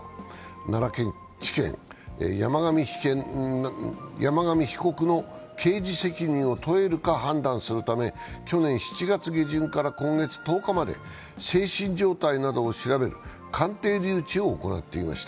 奈良地検、山上被告の刑事責任を問えるか判断するため去年７月下旬から今月１０日まで精神状態などを調べる鑑定留置を行っていました。